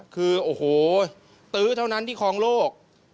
คือโอ้โหตื้อเท่านั้นที่คลองโลก